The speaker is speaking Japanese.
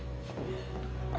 あ。